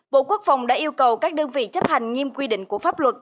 bộ quốc phòng đã yêu cầu các đơn vị chấp hành nghiêm quy định của pháp luật